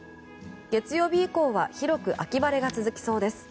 月曜日以降は広く秋晴れが続きそうです。